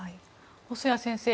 細谷先生